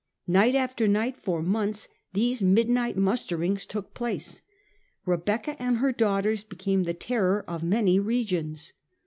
Night after night for months these midnight musterings took place. Rebecca and her daughters became the terror of many regions.